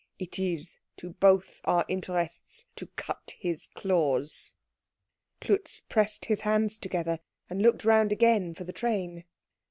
It is to both our interests to cut his claws." Klutz pressed his hands together, and looked round again for the train.